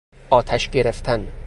آتش گرفتن